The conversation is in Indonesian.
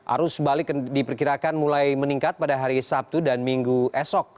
arus balik diperkirakan mulai meningkat pada hari sabtu dan minggu esok